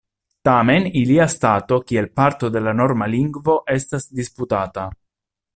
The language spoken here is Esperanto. Tamen ilia stato kiel parto de la norma lingvo estas disputata.